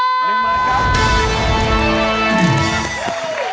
๑บาทครับ